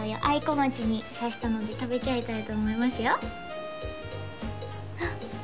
あいこまちに刺したので食べちゃいたいと思いますよあっ